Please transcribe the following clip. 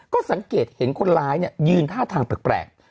ก็สังเกตเห็นคนร้ายยืนท่าทางแปลก